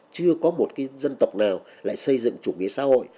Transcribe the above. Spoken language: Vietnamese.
chưa có một cái dân tộc nào lại xây dựng chủ nghĩa xã hội